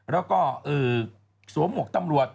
แล้วก็สวมหมวกตำรวจ